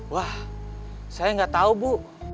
wah saya nggak tahu bu